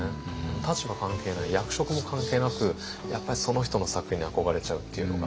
立場関係ない役職も関係なくやっぱりその人の作品に憧れちゃうっていうのがあるので。